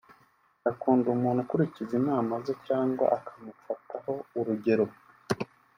Akunda umuntu ukurikiza inama ze cyangwa akamufataho urugero